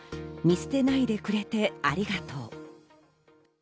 見捨てないでくれて、ありがとう。